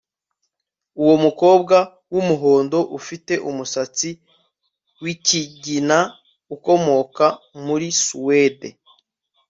Uwo mukobwa wumuhondo ufite umusatsi wikigina akomoka muri Suwede